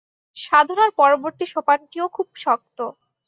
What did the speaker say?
সাধনার পরবর্তী সোপানটিও খুব শক্ত।